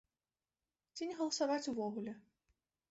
Ці не галасаваць увогуле.